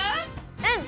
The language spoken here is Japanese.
うん！